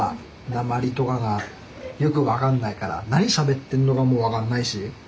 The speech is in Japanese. なまりとかがよく分かんないから何しゃべってんのかも分かんないし。